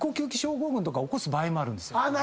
起こす場合もあるんですよ。